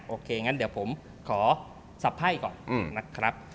โอเคงั้นเดี๋ยวผมขอสับไพ่ก่อนนะครับ